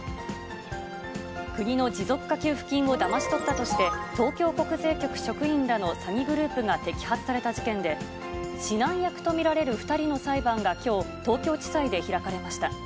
国の持続化給付金をだまし取ったとして、東京国税局職員らの詐欺グループが摘発された事件で、指南役と見られる２人の裁判がきょう、東京地裁で開かれました。